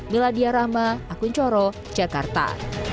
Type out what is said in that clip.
miladia rahma akun coro jakarta